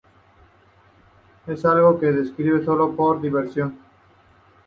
Es algo que escribí sólo por diversión.